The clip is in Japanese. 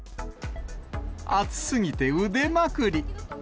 暑すぎて腕まくり。